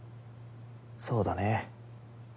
そうだね。